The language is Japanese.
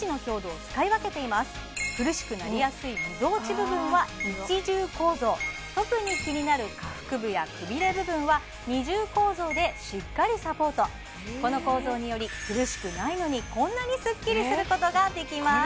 苦しくなりやすいみぞおち部分は１重構造特に気になる下腹部やくびれ部分は２重構造でしっかりサポートこの構造により苦しくないのにこんなにスッキリすることができます